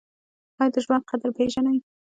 ایا د ژوند قدر پیژنئ؟